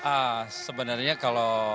ah sebenarnya kalau